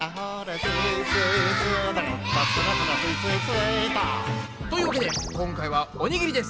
お！というわけで今回は「おにぎり」です。